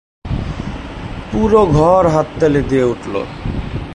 পুরো ঘর হাততালি দিয়ে উঠল।